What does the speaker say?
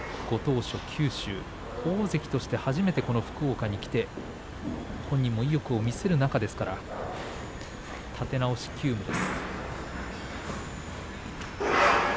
しかし正代はご当所九州大関として初めてこの福岡に来て本人も意欲を見せる中ですから立て直しが急がれます。